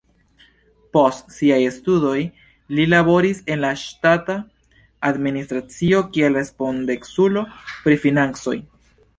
Post siaj studoj li laboris en la ŝtata administracio kiel respondeculo pri financoj.